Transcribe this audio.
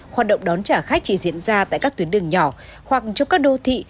hoạt động đón trả khách chỉ diễn ra tại các tuyến đường nhỏ hoặc trong các đô thị